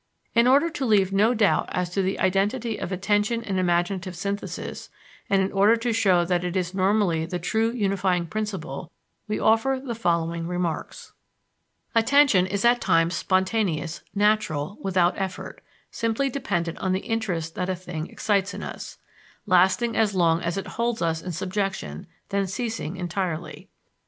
In order to leave no doubt as to the identity of attention and imaginative synthesis, and in order to show that it is normally the true unifying principle, we offer the following remarks: Attention is at times spontaneous, natural, without effort, simply dependent on the interest that a thing excites in us lasting as long as it holds us in subjection, then ceasing entirely.